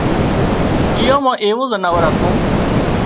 ايئان مان ايوون زناور هتون